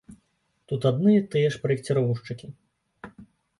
Тут адны і тыя ж праекціроўшчыкі.